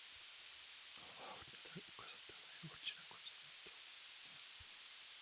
Nulová hodnota ukazatele je určena konstantou nil.